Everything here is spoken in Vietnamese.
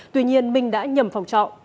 tuy nhiên minh đã nhầm phòng trọ